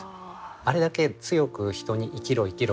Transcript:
あれだけ強く人に生きろ生きろ